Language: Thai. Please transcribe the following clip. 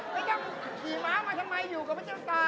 แล้วยังขี่ม้ามาทำไมอยู่กับพระเจ้าตา